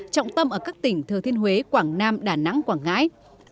trọng tâm ở các tỉnh thừa thiên huế quảng nam đà nẵng quảng ngãi